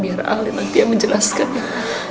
biar ahli nanti yang menjelaskan ya